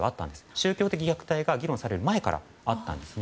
宗教的虐待が議論される前からあったんですね。